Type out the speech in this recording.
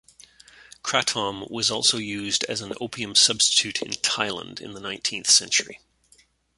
Kratom was also used as an opium substitute in Thailand in the nineteenth century.